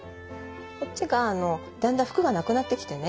こっちがだんだん服がなくなってきてね。